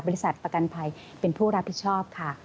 ประกันภัยเป็นผู้รับผิดชอบค่ะ